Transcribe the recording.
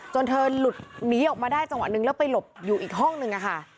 เธอหลุดหนีออกมาได้จังหวะนึงแล้วไปหลบอยู่อีกห้องนึงค่ะ